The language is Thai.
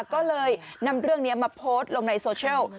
ก็เลยนำเรื่องนี้มาโพสต์ลงในโซเชียล